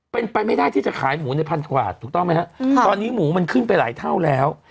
เป็นไปไม่ได้ที่จะขายหมูในพันกว่าถูกต้องไหมฮะตอนนี้หมูมันขึ้นไปหลายเท่าแล้ว